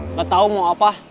nggak tahu mau apa